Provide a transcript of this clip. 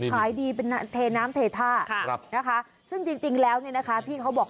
ขายดีเป็นเทน้ำเทท่านะคะซึ่งจริงแล้วเนี่ยนะคะพี่เขาบอก